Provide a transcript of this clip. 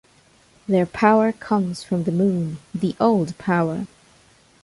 Their Power comes from the Moon, the Old Power.